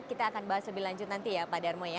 kita akan bahas lebih lanjut nanti ya pak darmo ya